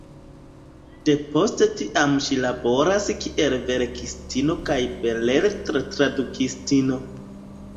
Depost tiam ŝi laboras kiel verkistino kaj beletra tradukistino.